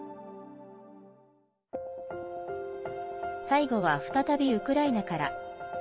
最後は再びウクライナから。